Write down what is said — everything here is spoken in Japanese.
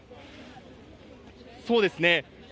そうですね。